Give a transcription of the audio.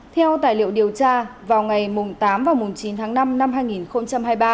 theo tài liệu điều tra vào ngày tám và mùng chín tháng năm năm hai nghìn hai mươi ba